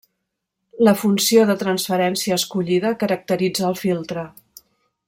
La funció de transferència escollida caracteritza el filtre.